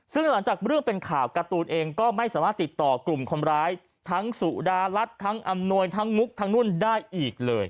ซึ่งหลังจากเรื่องเป็นข่าวการ์ตูนเองก็ไม่สามารถติดต่อกลุ่มคนร้ายทั้งสุดารัฐทั้งอำนวยทั้งมุกทั้งนู่นได้อีกเลย